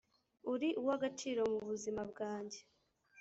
uri uwa agaciro mu buzima bwanjye